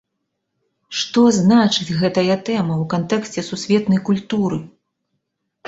Што значыць гэтая тэма ў кантэксце сусветнай культуры?!